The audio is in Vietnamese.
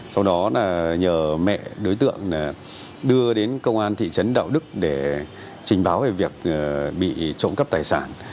sau đó là nhờ mẹ đối tượng đưa đến công an thị trấn đạo đức để trình báo về việc bị trộm cắp tài sản